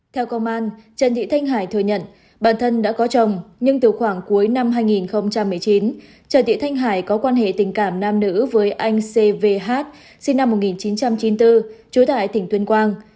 theo công an trần thị thanh hải thừa nhận bản thân đã có chồng nhưng từ khoảng cuối năm hai nghìn một mươi chín trần thị thanh hải có quan hệ tình cảm nam nữ với anh cvh sinh năm một nghìn chín trăm chín mươi bốn trú tại tỉnh tuyên quang